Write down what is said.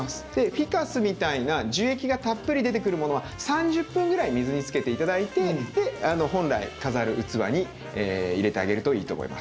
フィカスみたいな樹液がたっぷり出てくるものは３０分ぐらい水につけて頂いてで本来飾る器に入れてあげるといいと思います。